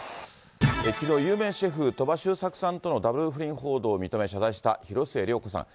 きのう、有名シェフ、鳥羽周作さんとのダブル不倫報道を認め、謝罪した広末涼子さん。